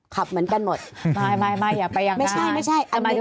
ขับเหมือนกันหมดไม่อย่าไปอย่างนั้นไม่ใช่